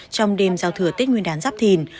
trong đêm giao thừa tết nguyên đán giáp thìn